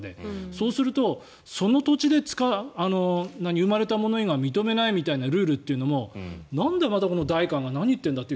そうするとその土地で生まれたもの以外認めないみたいなルールっていうのもなんでまたこの代官が何言ってるんだって